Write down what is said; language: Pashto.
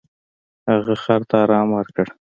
هغه خر ته ارام ورکړ.